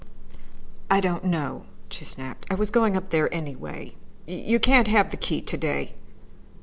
"I don't know," she snapped. "I was going up there, anyway. You can't have the key to day."